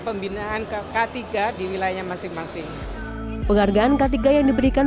penghargaan k tiga yang diberikan pada perusahaan k tiga awards tahun dua ribu dua puluh tiga